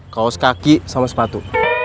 kaos kaki sama sepatu